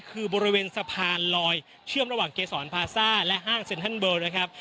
คือบริเวณสะพานลอยเชื่อมระหว่างเกษรพาซ่าและห้างเซ็นทันเบิลนะครับ